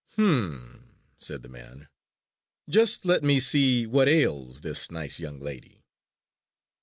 "Hum!" said the man. "Just let me see what ails this nice young lady!"